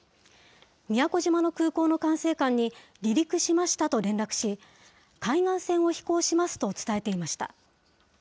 宮古島の空港の管制官に、離陸しましたと連絡し、海岸線を飛行しますと伝えていました。